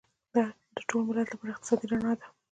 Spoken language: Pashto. دا د ټول ملت لپاره اقتصادي رڼا ده.